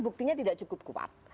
buktinya tidak cukup kuat